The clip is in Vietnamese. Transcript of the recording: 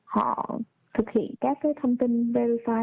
họ thực hiện các thông tin verify